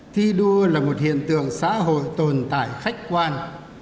thi đua là một hiện tượng xã hội tồn tại khách quan